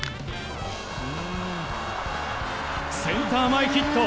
センター前ヒット。